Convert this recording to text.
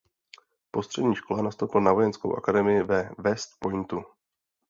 Po střední škole nastoupil na Vojenskou akademii ve West Pointu.